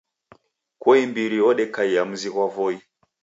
Koimbiri odekaia mzi ghwa Voi